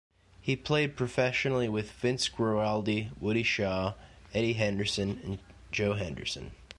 He played professionally with Vince Guaraldi, Woody Shaw, Eddie Henderson, and Joe Henderson.